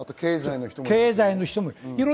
経済の人もいます。